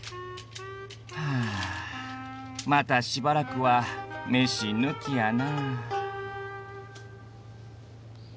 はあまたしばらくはメシ抜きやな。